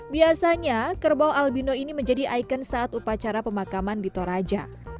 biasanya kerbau albino ini menjadi ikon saat upacara pemakaman di toraja